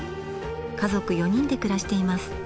家族４人で暮らしています。